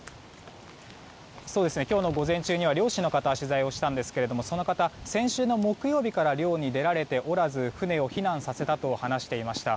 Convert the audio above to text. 今日の午前中には漁師の方の取材をしたんですがその方は先週の木曜日から漁に出られておらず船を避難させたと話していました。